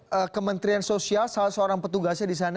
dari kementrian sosial salah seorang petugasnya di sana